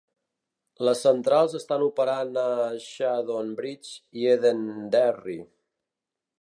Les centrals estan operant a Shannonbridge i Edenderry.